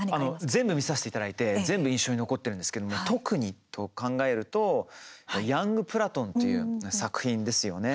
全部見させていただいて全部、印象に残っているんですけれども特にと考えると「ヤングプラトン」という作品ですよね。